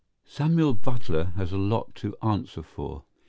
SAMUEL BUTLER has a lot to answer for.